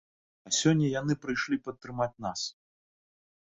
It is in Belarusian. А сёння яны прыйшлі падтрымаць нас!